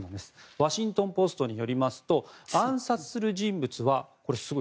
ワシントン・ポストによりますと暗殺する人物はこれ、すごい。